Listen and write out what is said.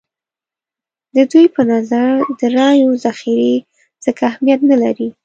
د دوی په نظر د رایو ذخیرې ځکه اهمیت نه لري.